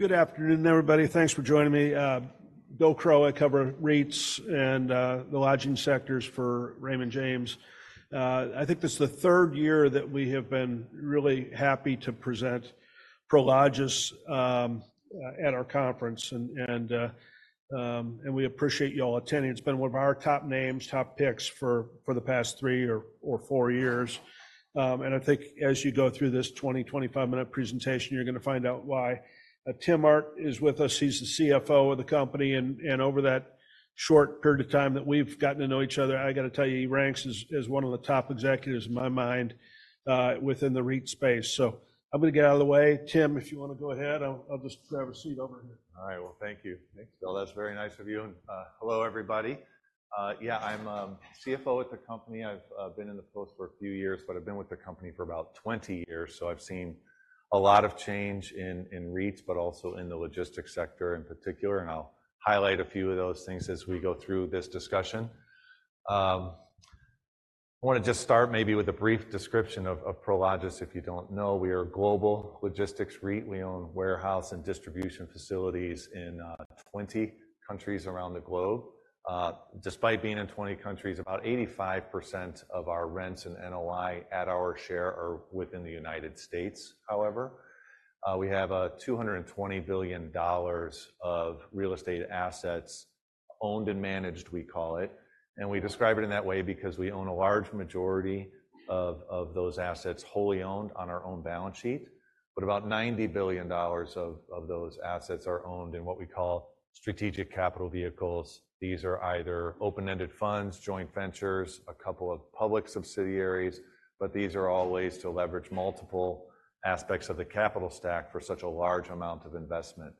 Good afternoon, everybody. Thanks for joining me. Bill Crow, I cover REITs and the lodging sectors for Raymond James. I think this is the third year that we have been really happy to present Prologis at our conference, and we appreciate y'all attending. It's been one of our top names, top picks for the past three or four years. I think as you go through this 20-25-minute presentation, you're going to find out why. Tim Arndt is with us. He's the CFO of the company, and over that short period of time that we've gotten to know each other, I got to tell you, he ranks as one of the top executives in my mind, within the REIT space. So I'm going to get out of the way. Tim, if you want to go ahead, I'll just grab a seat over here. All right. Well, thank you. Thanks, Bill. That's very nice of you. And hello, everybody. Yeah, I'm CFO at the company. I've been in the post for a few years, but I've been with the company for about 20 years. So I've seen a lot of change in REITs, but also in the logistics sector in particular. And I'll highlight a few of those things as we go through this discussion. I want to just start maybe with a brief description of Prologis. If you don't know, we are a global logistics REIT. We own warehouse and distribution facilities in 20 countries around the globe. Despite being in 20 countries, about 85% of our rents and NOI at our share are within the United States. However, we have $220 billion of real estate assets owned and managed, we call it. We describe it in that way because we own a large majority of those assets wholly owned on our own balance sheet. But about $90 billion of those assets are owned in what we call Strategic Capital vehicles. These are either open-ended funds, joint ventures, a couple of public subsidiaries, but these are all ways to leverage multiple aspects of the capital stack for such a large amount of investment.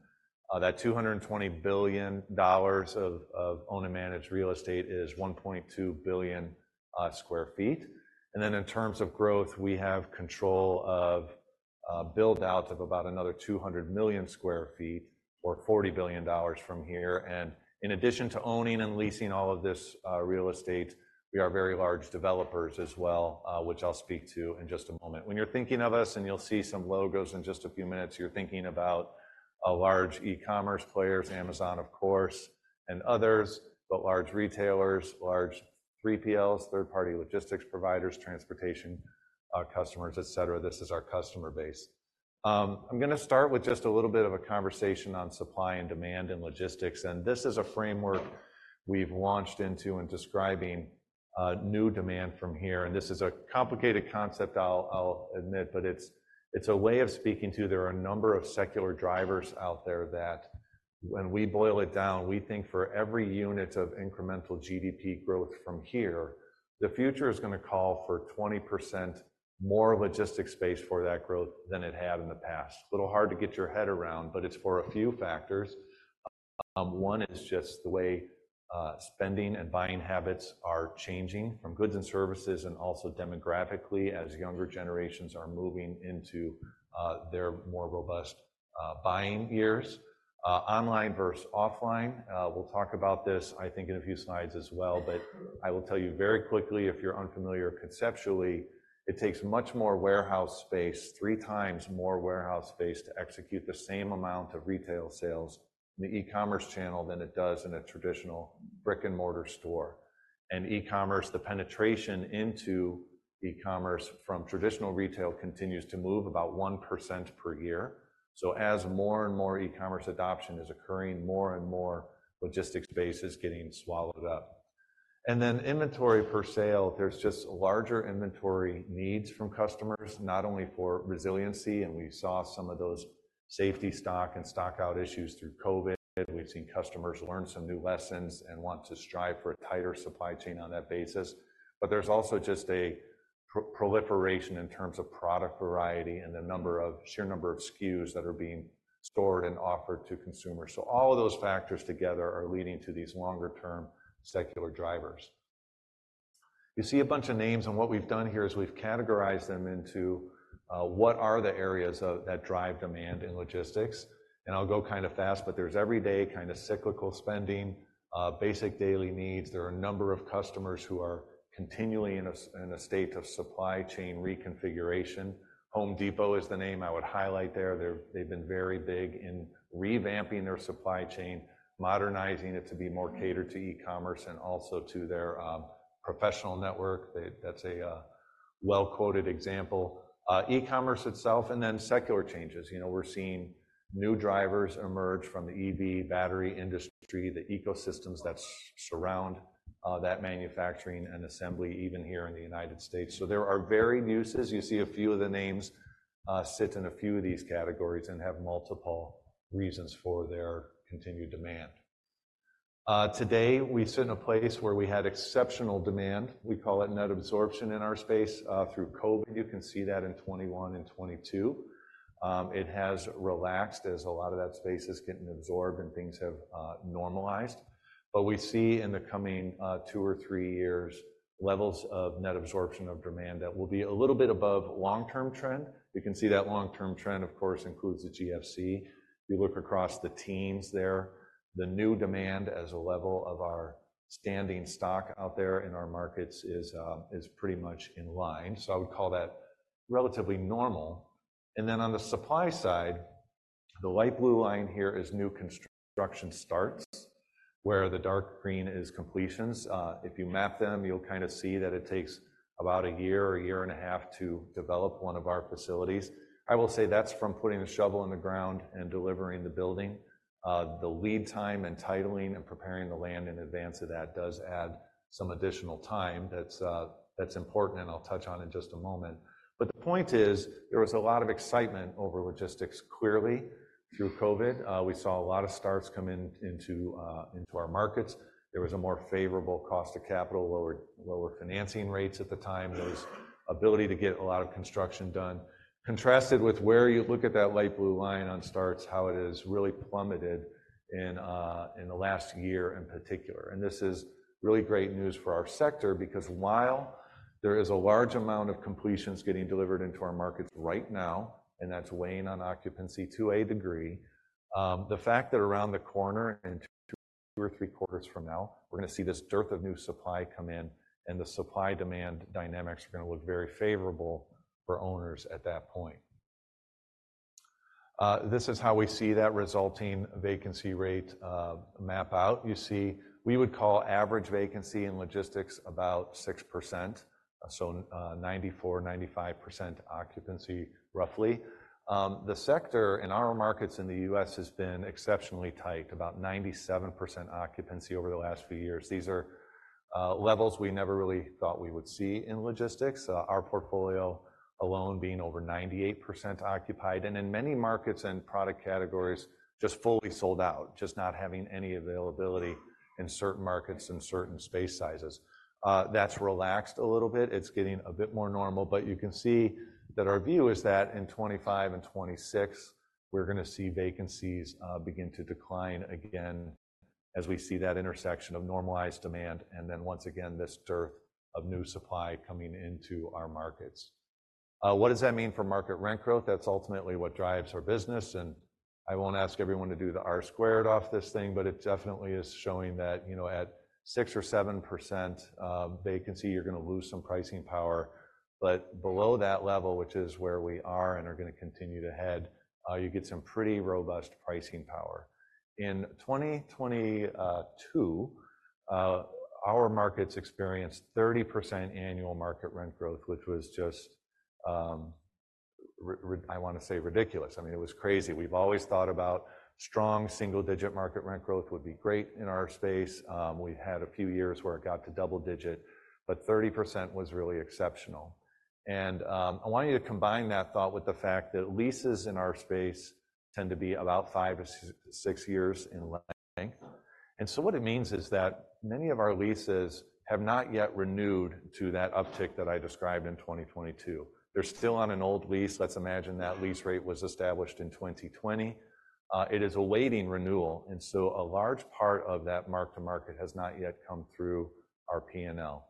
That $220 billion of owned and managed real estate is 1.2 billion sq ft. Then in terms of growth, we have control of buildouts of about another 200 million sq ft or $40 billion from here. In addition to owning and leasing all of this real estate, we are very large developers as well, which I'll speak to in just a moment. When you're thinking of us, and you'll see some logos in just a few minutes, you're thinking about large e-commerce players, Amazon, of course, and others, but large retailers, large 3PLs, third-party logistics providers, transportation, customers, etc. This is our customer base. I'm going to start with just a little bit of a conversation on supply and demand and logistics. This is a framework we've launched into in describing new demand from here. This is a complicated concept, I'll admit, but it's a way of speaking to there are a number of secular drivers out there that when we boil it down, we think for every unit of incremental GDP growth from here, the future is going to call for 20% more logistics space for that growth than it had in the past. A little hard to get your head around, but it's for a few factors. One is just the way spending and buying habits are changing from goods and services and also demographically as younger generations are moving into their more robust buying years. Online versus offline, we'll talk about this, I think, in a few slides as well. But I will tell you very quickly, if you're unfamiliar conceptually, it takes much more warehouse space, 3 times more warehouse space to execute the same amount of retail sales in the e-commerce channel than it does in a traditional brick-and-mortar store. And e-commerce, the penetration into e-commerce from traditional retail continues to move about 1% per year. So as more and more e-commerce adoption is occurring, more and more logistics space is getting swallowed up. And then inventory per sale, there's just larger inventory needs from customers, not only for resiliency. We saw some of those safety stock and stockout issues through COVID. We've seen customers learn some new lessons and want to strive for a tighter supply chain on that basis. But there's also just a proliferation in terms of product variety and the sheer number of SKUs that are being stored and offered to consumers. So all of those factors together are leading to these longer-term secular drivers. You see a bunch of names. And what we've done here is we've categorized them into, what are the areas of that drive demand in logistics? And I'll go kind of fast, but there's everyday kind of cyclical spending, basic daily needs. There are a number of customers who are continually in a state of supply chain reconfiguration. Home Depot is the name I would highlight there. They've been very big in revamping their supply chain, modernizing it to be more catered to e-commerce and also to their professional network. That's a well-quoted example. E-commerce itself, and then secular changes. You know, we're seeing new drivers emerge from the EV battery industry, the ecosystems that surround that manufacturing and assembly, even here in the United States. So there are varied uses. You see a few of the names sit in a few of these categories and have multiple reasons for their continued demand. Today we sit in a place where we had exceptional demand. We call it net absorption in our space through COVID. You can see that in 2021 and 2022. It has relaxed as a lot of that space is getting absorbed and things have normalized. But we see in the coming 2 or 3 years levels of net absorption of demand that will be a little bit above long-term trend. You can see that long-term trend, of course, includes the GFC. If you look across the teams there, the new demand as a level of our standing stock out there in our markets is pretty much in line. So I would call that relatively normal. And then on the supply side, the light blue line here is new construction starts, where the dark green is completions. If you map them, you'll kind of see that it takes about a year or a year and a half to develop one of our facilities. I will say that's from putting the shovel in the ground and delivering the building. The lead time and titling and preparing the land in advance of that does add some additional time. That's, that's important. I'll touch on it in just a moment. The point is, there was a lot of excitement over logistics, clearly through COVID. We saw a lot of starts come into, into our markets. There was a more favorable cost of capital, lower, lower financing rates at the time. There was ability to get a lot of construction done. Contrasted with where you look at that light blue line on starts, how it has really plummeted in, in the last year in particular. This is really great news for our sector because while there is a large amount of completions getting delivered into our markets right now, and that's weighing on occupancy to a degree, the fact that around the corner in two or three quarters from now, we're going to see this dearth of new supply come in and the supply demand dynamics are going to look very favorable for owners at that point. This is how we see that resulting vacancy rate map out. You see, we would call average vacancy in logistics about 6%, so 94%-95% occupancy, roughly. The sector in our markets in the U.S. has been exceptionally tight, about 97% occupancy over the last few years. These are levels we never really thought we would see in logistics, our portfolio alone being over 98% occupied and in many markets and product categories just fully sold out, just not having any availability in certain markets and certain space sizes. That's relaxed a little bit. It's getting a bit more normal. But you can see that our view is that in 2025 and 2026, we're going to see vacancies begin to decline again as we see that intersection of normalized demand and then once again this dearth of new supply coming into our markets. What does that mean for market rent growth? That's ultimately what drives our business. And I won't ask everyone to do the R-squared off this thing, but it definitely is showing that, you know, at 6% or 7% vacancy, you're going to lose some pricing power. But below that level, which is where we are and are going to continue to head, you get some pretty robust pricing power. In 2022, our markets experienced 30% annual market rent growth, which was just, I want to say ridiculous. I mean, it was crazy. We've always thought about strong single-digit market rent growth would be great in our space. We've had a few years where it got to double-digit, but 30% was really exceptional. I want you to combine that thought with the fact that leases in our space tend to be about 5-6 years in length. So what it means is that many of our leases have not yet renewed to that uptick that I described in 2022. They're still on an old lease. Let's imagine that lease rate was established in 2020. It is awaiting renewal. A large part of that mark-to-market has not yet come through our P&L.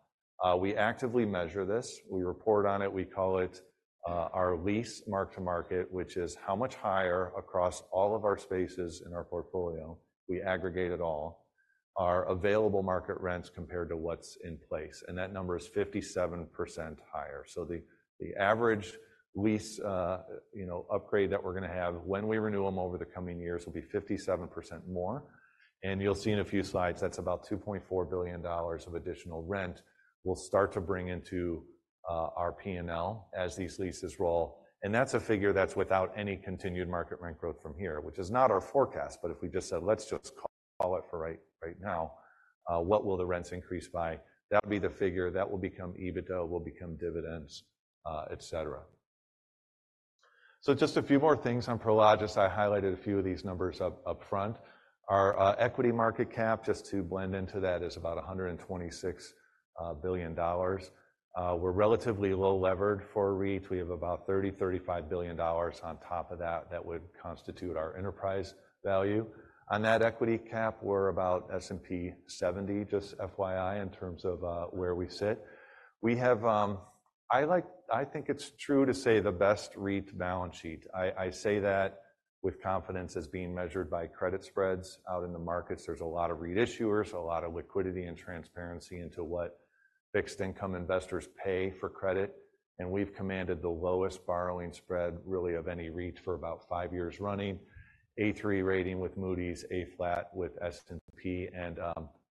We actively measure this. We report on it. We call it our lease mark-to-market, which is how much higher across all of our spaces in our portfolio, we aggregate it all, are available market rents compared to what's in place. And that number is 57% higher. So the average lease, you know, upgrade that we're going to have when we renew them over the coming years will be 57% more. And you'll see in a few slides, that's about $2.4 billion of additional rent we'll start to bring into our P&L as these leases roll. And that's a figure that's without any continued market rent growth from here, which is not our forecast. But if we just said, let's just call it for right now, what will the rents increase by? That would be the figure that will become EBITDA, will become dividends, etc. So just a few more things on Prologis. I highlighted a few of these numbers upfront. Our equity market cap, just to blend into that, is about $126 billion. We're relatively low levered for REIT. We have about $30-$35 billion on top of that that would constitute our enterprise value. On that equity cap, we're about S&P 70, just FYI, in terms of where we sit. We have, I like, I think it's true to say the best REIT balance sheet. I say that with confidence as being measured by credit spreads out in the markets. There's a lot of REIT issuers, a lot of liquidity and transparency into what fixed income investors pay for credit. And we've commanded the lowest borrowing spread, really, of any REIT for about five years running, A3 rating with Moody's, A flat with S&P. And,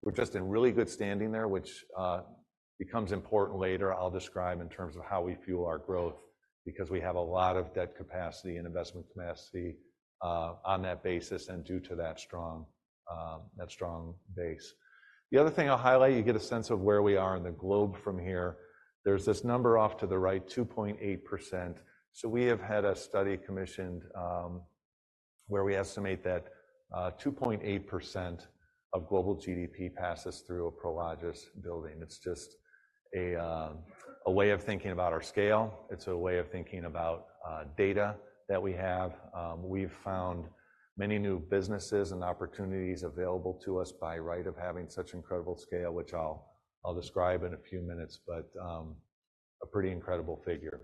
we're just in really good standing there, which becomes important later. I'll describe in terms of how we fuel our growth because we have a lot of debt capacity and investment capacity, on that basis and due to that strong, that strong base. The other thing I'll highlight, you get a sense of where we are in the globe from here. There's this number off to the right, 2.8%. So we have had a study commissioned, where we estimate that 2.8% of global GDP passes through a Prologis building. It's just a way of thinking about our scale. It's a way of thinking about data that we have. We've found many new businesses and opportunities available to us by right of having such incredible scale, which I'll describe in a few minutes, but a pretty incredible figure.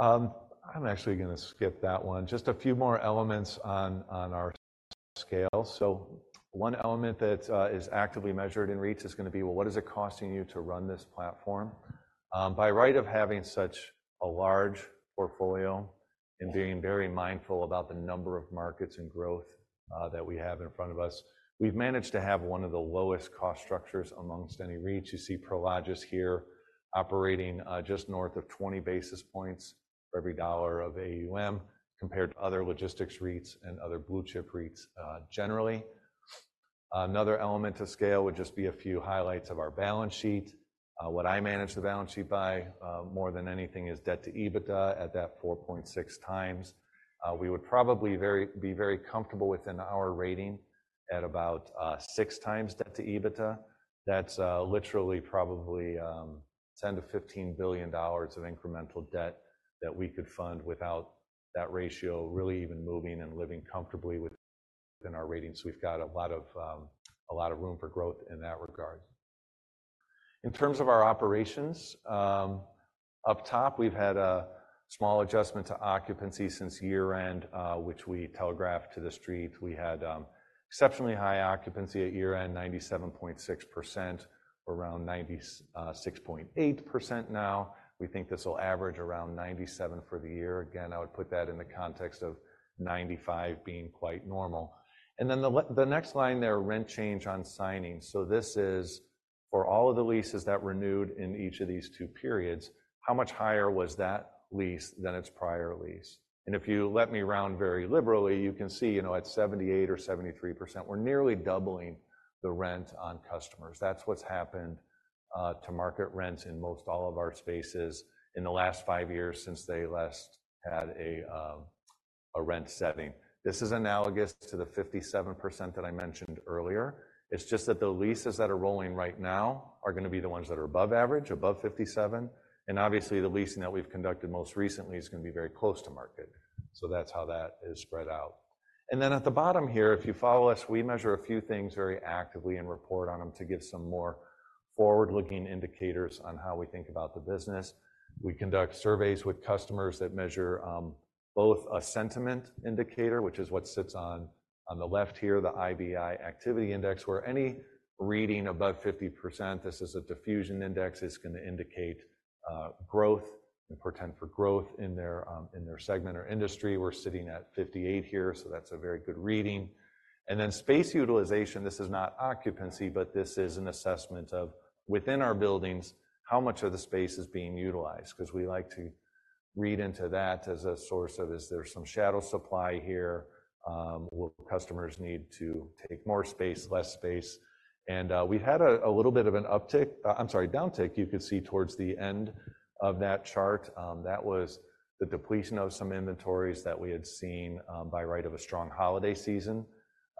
I'm actually going to skip that one. Just a few more elements on our scale. So one element that is actively measured in REITs is going to be, well, what is it costing you to run this platform? By right of having such a large portfolio and being very mindful about the number of markets and growth that we have in front of us, we've managed to have one of the lowest cost structures amongst any REITs. You see Prologis here operating just north of 20 basis points for every dollar of AUM compared to other logistics REITs and other blue chip REITs, generally. Another element of scale would just be a few highlights of our balance sheet. What I manage the balance sheet by, more than anything, is debt to EBITDA at that 4.6 times. We would probably be very comfortable within our rating at about 6 times debt to EBITDA. That's literally probably $10 billion-$15 billion of incremental debt that we could fund without that ratio really even moving and living comfortably within our rating. So we've got a lot of, a lot of room for growth in that regard. In terms of our operations, up top, we've had a small adjustment to occupancy since year-end, which we telegraphed to the street. We had exceptionally high occupancy at year-end, 97.6%, around 96.8% now. We think this will average around 97% for the year. Again, I would put that in the context of 95% being quite normal. And then the next line there, rent change on signing. So this is for all of the leases that renewed in each of these two periods. How much higher was that lease than its prior lease? And if you let me round very liberally, you can see, you know, at 78% or 73%, we're nearly doubling the rent on customers. That's what's happened, to market rents in most all of our spaces in the last five years since they last had a rent setting. This is analogous to the 57% that I mentioned earlier. It's just that the leases that are rolling right now are going to be the ones that are above average, above 57%. And obviously, the leasing that we've conducted most recently is going to be very close to market. So that's how that is spread out. And then at the bottom here, if you follow us, we measure a few things very actively and report on them to give some more forward-looking indicators on how we think about the business. We conduct surveys with customers that measure both a sentiment indicator, which is what sits on the left here, the IBI Activity Index, where any reading above 50%, this is a diffusion index, is going to indicate growth and portend for growth in their segment or industry. We're sitting at 58% here. So that's a very good reading. And then space utilization, this is not occupancy, but this is an assessment of within our buildings how much of the space is being utilized. Because we like to read into that as a source of, is there some shadow supply here? Will customers need to take more space, less space? We've had a little bit of an uptick, I'm sorry, downtick, you could see towards the end of that chart. That was the depletion of some inventories that we had seen, by right of a strong holiday season.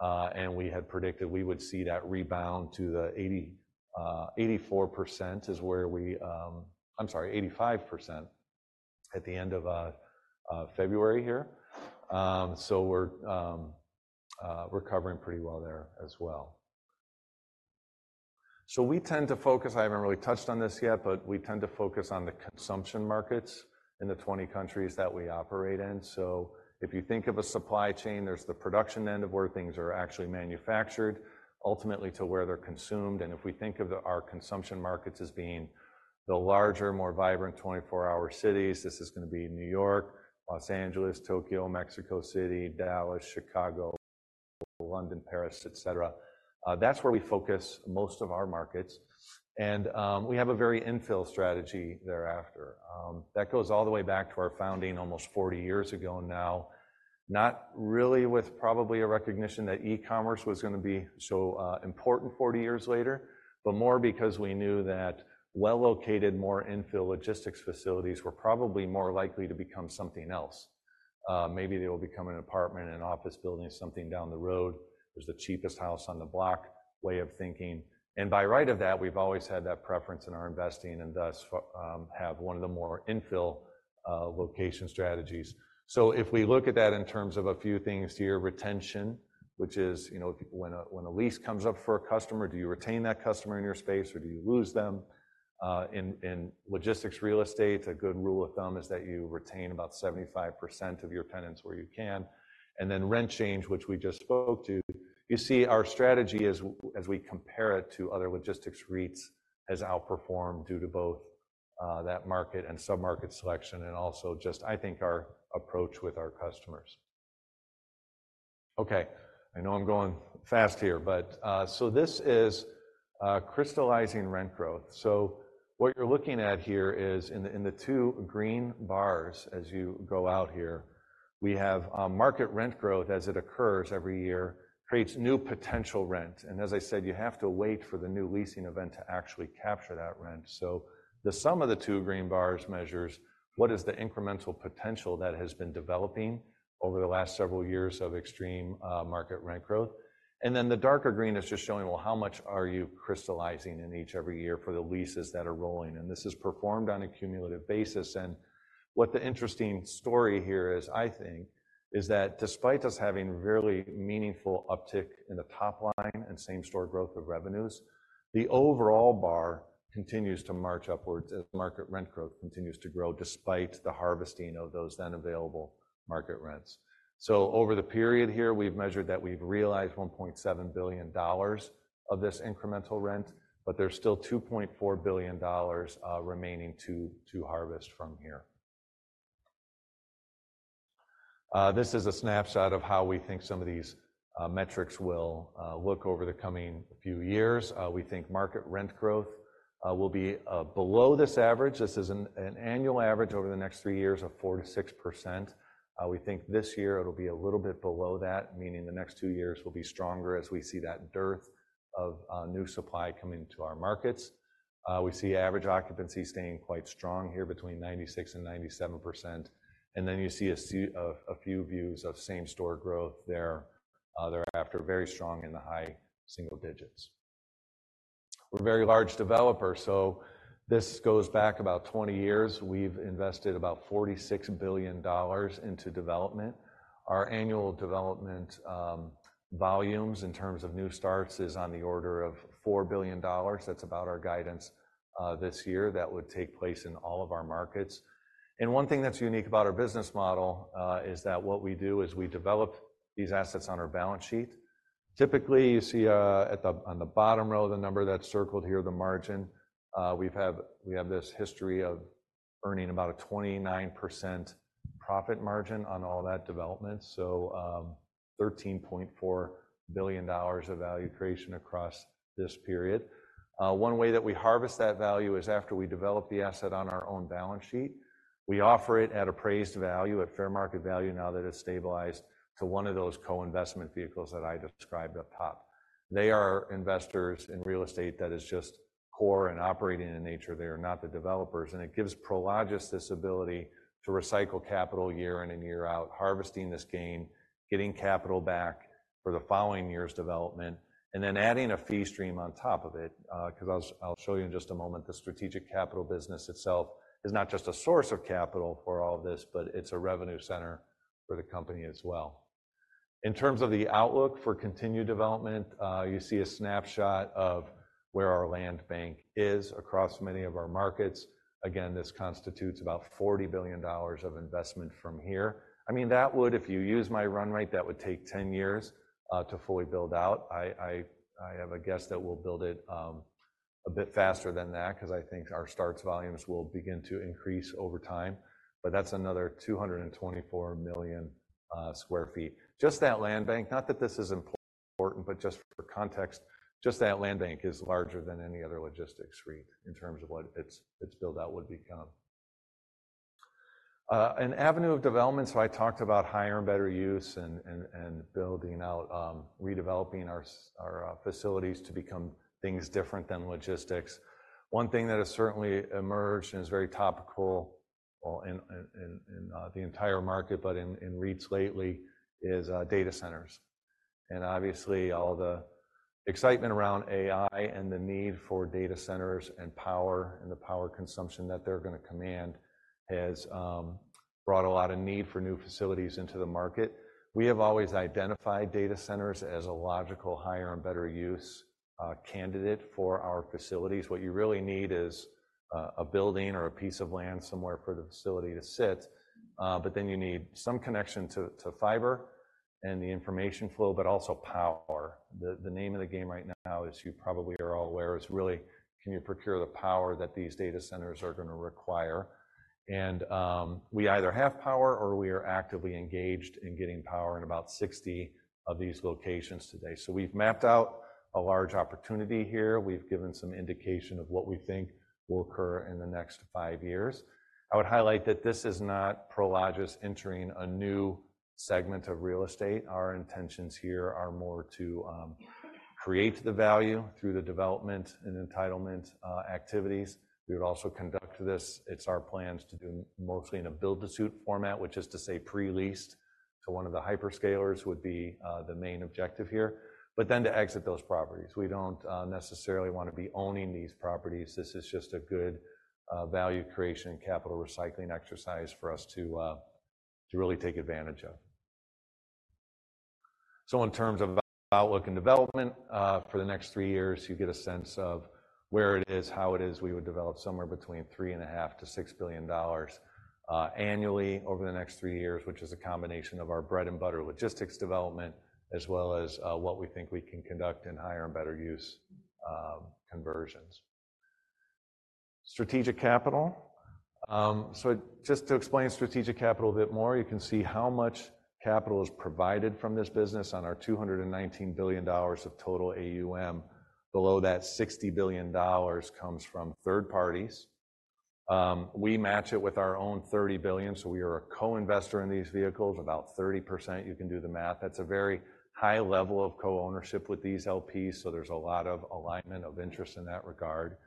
And we had predicted we would see that rebound to the 80%, 84% is where we, I'm sorry, 85% at the end of February here. So we're recovering pretty well there as well. So we tend to focus, I haven't really touched on this yet, but we tend to focus on the consumption markets in the 20 countries that we operate in. So if you think of a supply chain, there's the production end of where things are actually manufactured, ultimately to where they're consumed. And if we think of our consumption markets as being the larger, more vibrant 24-hour cities, this is going to be New York, Los Angeles, Tokyo, Mexico City, Dallas, Chicago, London, Paris, etc. That's where we focus most of our markets. And, we have a very infill strategy thereafter. That goes all the way back to our founding almost 40 years ago now, not really with probably a recognition that e-commerce was going to be so, important 40 years later, but more because we knew that well-located, more infill logistics facilities were probably more likely to become something else. Maybe they will become an apartment, an office building, something down the road. There's the cheapest house on the block way of thinking. And by right of that, we've always had that preference in our investing and thus, have one of the more infill, location strategies. So if we look at that in terms of a few things here, retention, which is, you know, if when a lease comes up for a customer, do you retain that customer in your space or do you lose them? In logistics real estate, a good rule of thumb is that you retain about 75% of your tenants where you can. And then rent change, which we just spoke to, you see our strategy is, as we compare it to other logistics REITs, has outperformed due to both that market and submarket selection and also just, I think, our approach with our customers. Okay, I know I'm going fast here, but so this is crystallizing rent growth. So what you're looking at here is in the two green bars, as you go out here, we have market rent growth as it occurs every year creates new potential rent. And as I said, you have to wait for the new leasing event to actually capture that rent. So the sum of the two green bars measures what is the incremental potential that has been developing over the last several years of extreme market rent growth. And then the darker green is just showing, well, how much are you crystallizing in every year for the leases that are rolling? And this is performed on a cumulative basis. And what the interesting story here is, I think, is that despite us having a very meaningful uptick in the top line and same store growth of revenues, the overall bar continues to march upwards as market rent growth continues to grow despite the harvesting of those then available market rents. So over the period here, we've measured that we've realized $1.7 billion of this incremental rent, but there's still $2.4 billion remaining to harvest from here. This is a snapshot of how we think some of these metrics will look over the coming few years. We think market rent growth will be below this average. This is an annual average over the next three years of 4%-6%. We think this year it'll be a little bit below that, meaning the next two years will be stronger as we see that dearth of new supply coming to our markets. We see average occupancy staying quite strong here between 96% and 97%. Then you see a few views of same store growth thereafter, very strong in the high single digits. We're a very large developer. This goes back about 20 years. We've invested about $46 billion into development. Our annual development volumes in terms of new starts is on the order of $4 billion. That's about our guidance; this year that would take place in all of our markets. One thing that's unique about our business model is that what we do is we develop these assets on our balance sheet. Typically, you see, on the bottom row, the number that's circled here, the margin, we have this history of earning about a 29% profit margin on all that development. So, $13.4 billion of value creation across this period. One way that we harvest that value is after we develop the asset on our own balance sheet. We offer it at appraised value, at fair market value, now that it's stabilized to one of those co-investment vehicles that I described up top. They are investors in real estate that is just core and operating in nature. They are not the developers. And it gives Prologis this ability to recycle capital year in and year out, harvesting this gain, getting capital back for the following year's development, and then adding a fee stream on top of it. Because I'll show you in just a moment, the Strategic Capital business itself is not just a source of capital for all of this, but it's a revenue center for the company as well. In terms of the outlook for continued development, you see a snapshot of where our land bank is across many of our markets. Again, this constitutes about $40 billion of investment from here. I mean, that would, if you use my run rate, that would take 10 years to fully build out. I have a guess that we'll build it a bit faster than that because I think our starts volumes will begin to increase over time. But that's another 224 million sq ft. Just that land bank, not that this is important, but just for context, just that land bank is larger than any other logistics REIT in terms of what its buildout would become. An avenue of development. So I talked about higher and better use and building out, redeveloping our facilities to become things different than logistics. One thing that has certainly emerged and is very topical, well, in the entire market, but in REITs lately, is data centers. And obviously, all the excitement around AI and the need for data centers and power and the power consumption that they're going to command has brought a lot of need for new facilities into the market. We have always identified data centers as a logical higher and better use candidate for our facilities. What you really need is a building or a piece of land somewhere for the facility to sit. But then you need some connection to fiber and the information flow, but also power. The name of the game right now, as you probably are all aware, is really, can you procure the power that these data centers are going to require? And we either have power or we are actively engaged in getting power in about 60 of these locations today. So we've mapped out a large opportunity here. We've given some indication of what we think will occur in the next five years. I would highlight that this is not Prologis entering a new segment of real estate. Our intentions here are more to create the value through the development and entitlement activities. We would also conduct this. It's our plans to do mostly in a build-to-suit format, which is to say pre-leased to one of the hyperscalers would be the main objective here, but then to exit those properties. We don't necessarily want to be owning these properties. This is just a good value creation capital recycling exercise for us to really take advantage of. So in terms of outlook and development for the next three years, you get a sense of where it is, how it is. We would develop somewhere between $3.5-$6 billion annually over the next three years, which is a combination of our bread and butter logistics development, as well as what we think we can conduct in higher and better use conversions. Strategic Capital. So just to explain strategic capital a bit more, you can see how much capital is provided from this business on our $219 billion of total AUM. Below that, $60 billion comes from third parties. We match it with our own $30 billion. So we are a co-investor in these vehicles, about 30%. You can do the math. That's a very high level of co-ownership with these LPs. So there's a lot of alignment of interest in that regard.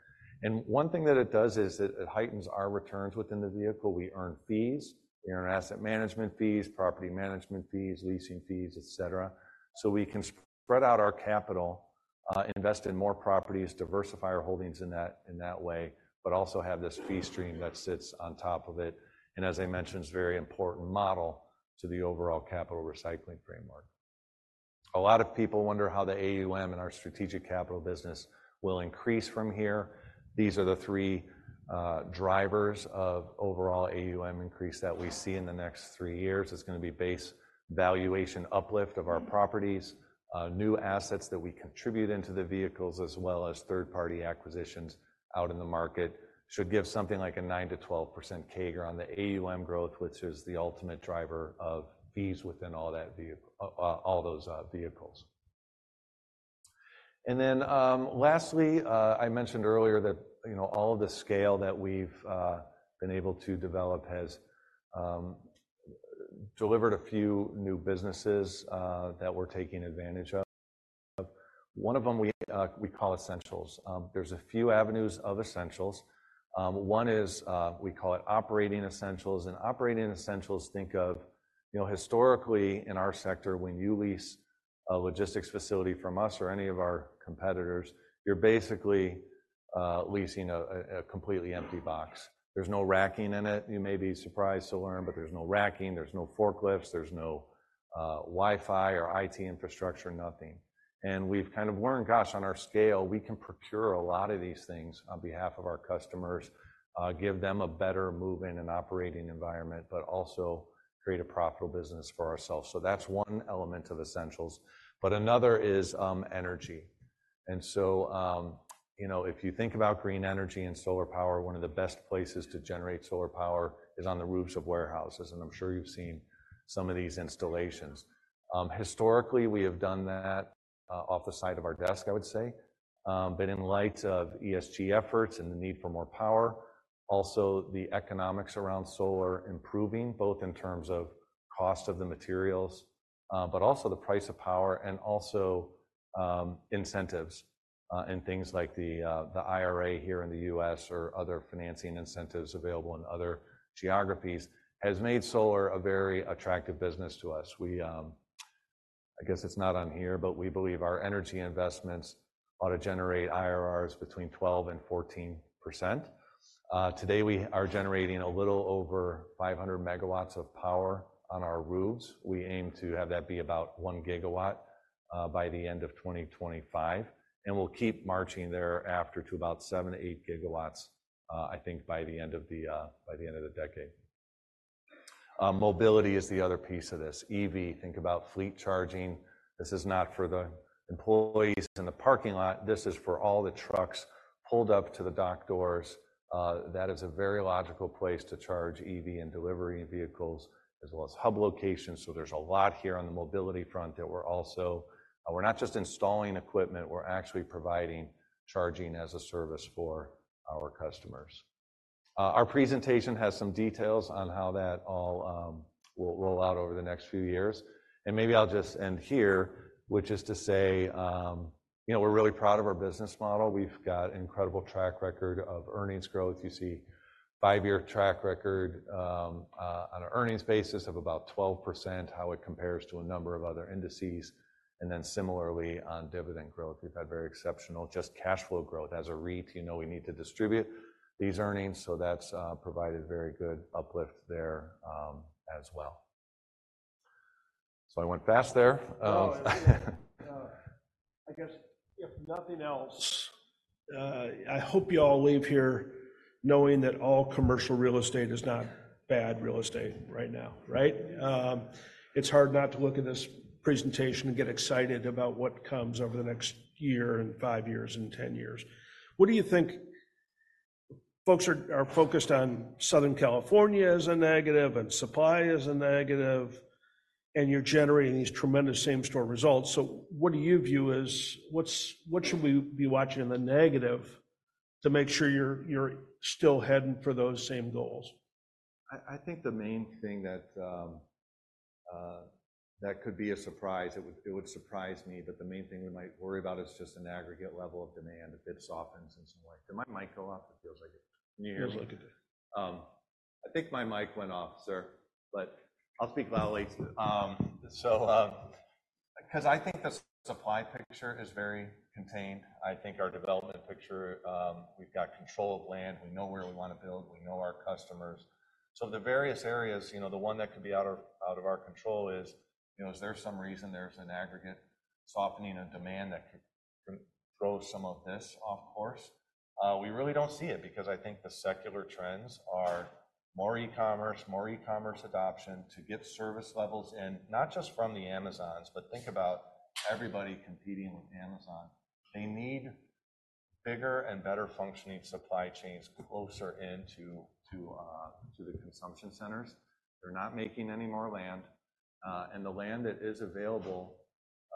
And one thing that it does is that it heightens our returns within the vehicle. We earn fees. We earn asset management fees, property management fees, leasing fees, etc. So we can spread out our capital, invest in more properties, diversify our holdings in that, in that way, but also have this fee stream that sits on top of it. As I mentioned, it's a very important model to the overall capital recycling framework. A lot of people wonder how the AUM and our Strategic Capital business will increase from here. These are the 3 drivers of overall AUM increase that we see in the next 3 years. It's going to be base valuation uplift of our properties, new assets that we contribute into the vehicles, as well as third-party acquisitions out in the market should give something like a 9%-12% CAGR on the AUM growth, which is the ultimate driver of fees within all that vehicle, all those vehicles. And then, lastly, I mentioned earlier that, you know, all of the scale that we've been able to develop has delivered a few new businesses that we're taking advantage of. One of them, we call Essentials. There's a few avenues of Essentials. One is, we call it operating Essentials. Operating essentials, think of, you know, historically in our sector, when you lease a logistics facility from us or any of our competitors, you're basically leasing a completely empty box. There's no racking in it. You may be surprised to learn, but there's no racking. There's no forklifts. There's no Wi-Fi or IT infrastructure, nothing. And we've kind of learned, gosh, on our scale, we can procure a lot of these things on behalf of our customers, give them a better moving and operating environment, but also create a profitable business for ourselves. So that's one element of essentials. Another is energy. And so, you know, if you think about green energy and solar power, one of the best places to generate solar power is on the roofs of warehouses. And I'm sure you've seen some of these installations. Historically, we have done that off the side of our desk, I would say. But in light of ESG efforts and the need for more power, also the economics around solar improving, both in terms of cost of the materials, but also the price of power and also incentives and things like the IRA here in the U.S. or other financing incentives available in other geographies has made solar a very attractive business to us. We, I guess it's not on here, but we believe our energy investments ought to generate IRRs between 12%-14%. Today, we are generating a little over 500 MW of power on our roofs. We aim to have that be about 1 GW by the end of 2025. And we'll keep marching thereafter to about 7-8 GW, I think by the end of the decade. Mobility is the other piece of this. EV, think about fleet charging. This is not for the employees in the parking lot. This is for all the trucks pulled up to the dock doors. That is a very logical place to charge EV and delivery vehicles, as well as hub locations. So there's a lot here on the mobility front that we're also, we're not just installing equipment, we're actually providing charging as a service for our customers. Our presentation has some details on how that all will roll out over the next few years. And maybe I'll just end here, which is to say, you know, we're really proud of our business model. We've got an incredible track record of earnings growth. You see a five-year track record, on an earnings basis of about 12%, how it compares to a number of other indices. And then similarly, on dividend growth, we've had very exceptional just cash flow growth as a REIT. You know, we need to distribute these earnings. So that's provided very good uplift there, as well. So I went fast there. No, I guess if nothing else, I hope you all leave here knowing that all commercial real estate is not bad real estate right now, right? It's hard not to look at this presentation and get excited about what comes over the next year and 5 years and 10 years. What do you think folks are focused on? Southern California is a negative and supply is a negative. And you're generating these tremendous same-store results. So what do you view as what's, what should we be watching in the negative to make sure you're, you're still heading for those same goals? I think the main thing that could be a surprise. It would surprise me. But the main thing we might worry about is just an aggregate level of demand. If it softens in some way, did my mic go off? It feels like it did. I think my mic went off, sir, but I'll speak loudly. So, because I think the supply picture is very contained. I think our development picture, we've got control of land. We know where we want to build. We know our customers. So the various areas, you know, the one that could be out of our control is, you know, is there some reason there's an aggregate softening of demand that could throw some of this off course? We really don't see it because I think the secular trends are more e-commerce, more e-commerce adoption to get service levels in, not just from the Amazons, but think about everybody competing with Amazon. They need bigger and better functioning supply chains closer into the consumption centers. They're not making any more land. The land that is available,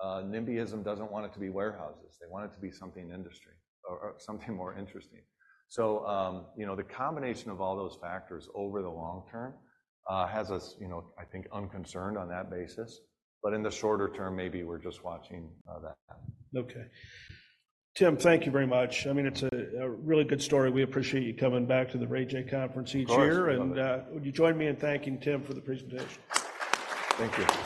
NIMBYism doesn't want it to be warehouses. They want it to be something industry or something more interesting. So, you know, the combination of all those factors over the long term has us, you know, I think unconcerned on that basis. But in the shorter term, maybe we're just watching that. Okay. Tim, thank you very much. I mean, it's a really good story. We appreciate you coming back to the Ray Jay Conference each year. And would you join me in thanking Tim for the presentation? Thank you.